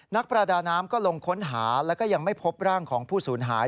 นักประดาน้ำก็ลงค้นหาแล้วก็ยังไม่พบร่างของผู้สูญหาย